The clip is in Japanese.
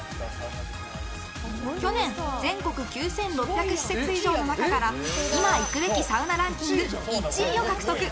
去年全国９６００施設以上の中から今行くべきサウナランキング１位を獲得。